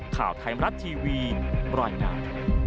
ข่าวไทยมรัฐทีวีบรรยายงาน